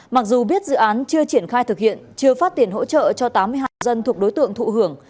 mặc dù biết dự án chưa triển khai thực hiện chưa phát tiền hỗ trợ cho tám mươi hai dân thuộc đối tượng thụ hưởng